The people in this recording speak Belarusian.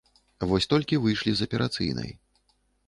Вось толькі выйшлі з аперацыйнай.